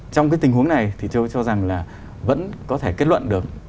trong cái tình huống này thì tôi cho rằng là vẫn có thể kết luận được